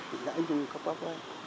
thì là anh hùng của pavem